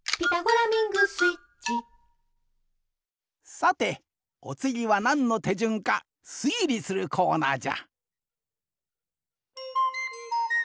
さておつぎはなんのてじゅんかすいりするコーナーじゃ！